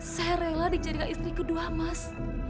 saya rela dijadikan istri kedua mas